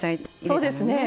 そうですね。